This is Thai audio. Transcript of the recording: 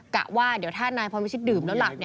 กะว่าเดี๋ยวถ้านายพรพิชิตดื่มแล้วหลับ